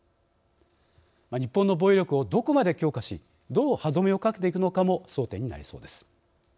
日本の防衛力をどこまで強化しどう歯止めをかけていくのかも争点になりそうです。